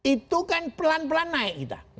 itu kan pelan pelan naik kita